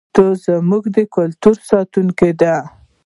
پښتو زموږ د کلتور ساتونکې ده.